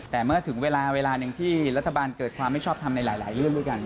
แต่เมื่อถึงเวลาเวลาหนึ่งที่รัฐบาลเกิดความไม่ชอบทำในหลายเรื่องด้วยกัน